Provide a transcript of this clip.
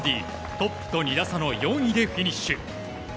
トップと２打差の４位でフィニッシュ。